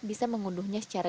bisa mengunduhnya secara gratis